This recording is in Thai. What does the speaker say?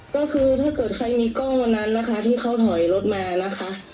ก็คือถ้าเกิดใครมีกล้องวันนั้นนะคะที่เขาถอยรถมานะคะ